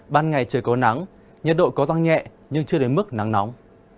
ban ngày trời có nắng nhiệt độ có tăng nhẹ nhưng chưa đến mức nắng nóng